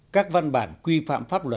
các văn bản quy phạm pháp luật